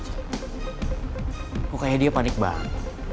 kok kayaknya dia panik banget